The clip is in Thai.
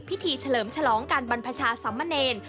พิธีเฉลิมฉลองการบรรพชาสำมะเนิน